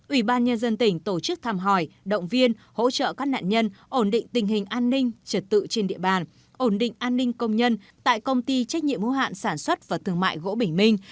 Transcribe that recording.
ủy ban nhân dân tỉnh tổ chức thăm hỏi động viên hỗ trợ các nạn nhân ổn định tình hình an ninh trật tự trên địa bàn ổn định an ninh công nhân tại công ty trách nhiệm hữu hạn sản xuất và thương mại gỗ bình minh